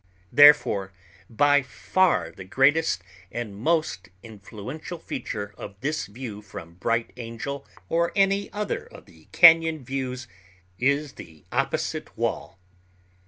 Therefore by far the greatest and most influential feature of this view from Bright Angel or any other of the cañon views is the opposite wall.